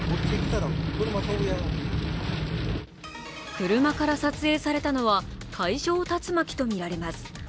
車から撮影されたのは海上竜巻とみられます